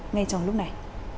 ngay trong lúc này